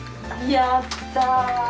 やったー。